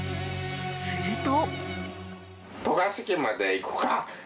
すると。